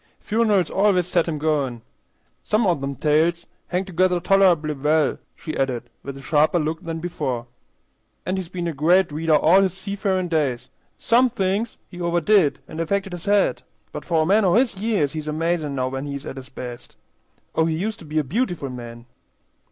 "Funerals always sets him goin'. Some o' them tales hangs together toler'ble well," she added, with a sharper look than before. "An' he's been a great reader all his seafarin' days. Some thinks he overdid, and affected his head, but for a man o' his years he's amazin' now when he's at his best. Oh, he used to be a beautiful man!"